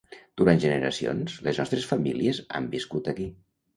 Durant generacions, les nostres famílies han viscut aquí.